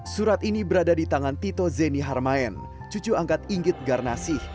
surat ini berada di tangan tito zeni harmaen cucu angkat inggit garnasih